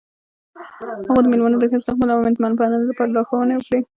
هغه د میلمنو د ښه استقبال او میلمه پالنې لپاره لارښوونې وکړې.